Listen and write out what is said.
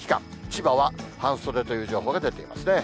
千葉は半袖という情報が出ていますね。